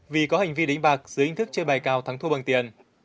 vì có hành vi đánh bạc dưới hình thức chơi bài cao thắng thua bằng tiền